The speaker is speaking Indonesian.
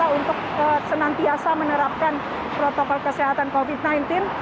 untuk senantiasa menerapkan protokol kesehatan covid sembilan belas